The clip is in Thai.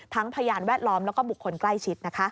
พยานแวดล้อมแล้วก็บุคคลใกล้ชิดนะคะ